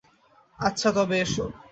আচ্ছা তবে এস।